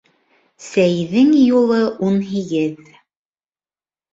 Сәйҙең юлы ун һигеҙ.